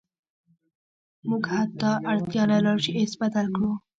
موږ حتی اړتیا نلرو چې ایس بدل کړو